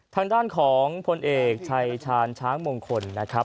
ทางด้านของพลเอกชายชาญช้างมงคลนะครับ